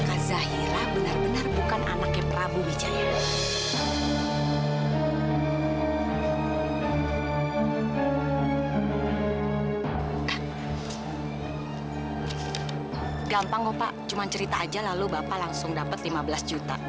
cuma cerita aja lalu bapak langsung dapat lima belas juta